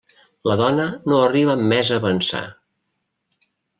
La dona no arriba més a avançar.